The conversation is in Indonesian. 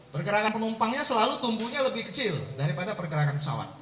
pergerakan penumpangnya selalu tumbuhnya lebih kecil daripada pergerakan pesawat